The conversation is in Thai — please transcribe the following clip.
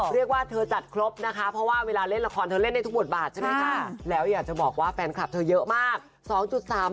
เลือกว่าเธอจัดครบนะคะเวลาเล่นละครเธอเล่นในทุกบทบาทใช่ไหมคะ